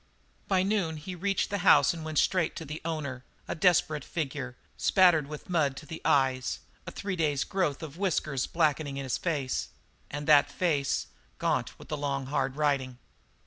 By noon he reached the house and went straight to the owner, a desperate figure, spattered with mud to the eyes, a three days' growth of whiskers blackening his face, and that face gaunt with the long, hard riding.